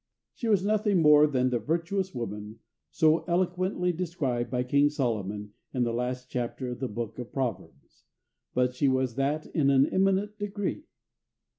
She was nothing more than the "virtuous" woman so eloquently described by King Solomon in the last chapter of the Book of Proverbs, but she was that in an eminent degree.